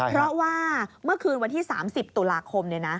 เพราะว่าเมื่อคืนวันที่๓๐ตุลาคม